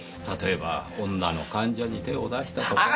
例えば女の患者に手を出したとか。